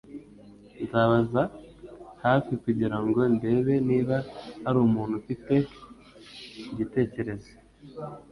Nzabaza hafi kugirango ndebe niba hari umuntu ufite igitekerezo